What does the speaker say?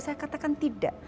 saya katakan tidak